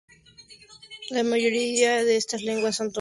La mayoría de estas lenguas son tonales.